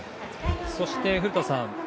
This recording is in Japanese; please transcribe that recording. そして古田さん